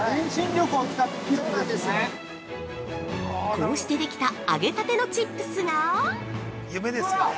◆こうしてできた、揚げたてのチップスが◆うわっ！